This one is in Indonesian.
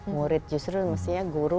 murid justru mestinya guru